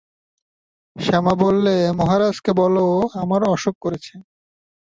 শ্যামা বললে, মহারাজকে বলো আমার অসুখ করেছে।